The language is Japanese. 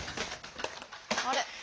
あれ？